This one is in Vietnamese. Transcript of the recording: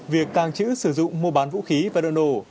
việc càng chữ sử dụng mô bán vũ khí và đồ nổ